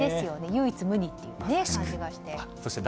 唯一無二という感じがして。